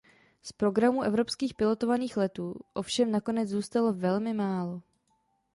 Z programů evropských pilotovaných letů ovšem nakonec zůstalo velmi málo.